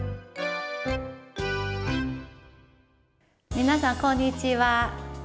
皆さん、こんにちは。